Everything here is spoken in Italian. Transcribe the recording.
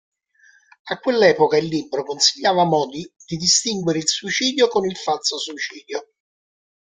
A quell'epoca il libro consigliava modi di distinguere il suicidio con il falso suicidio.